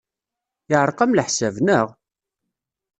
Yeɛreq-am leḥsab, naɣ?